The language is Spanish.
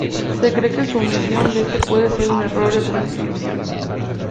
Se cree que su omisión de este puede ser un error de transcripción.